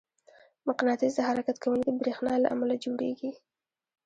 مقناطیس د حرکت کوونکي برېښنا له امله جوړېږي.